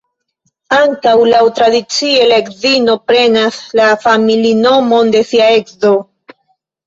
Ankaŭ laŭtradicie, la edzino prenas la familinomon de sia edzo.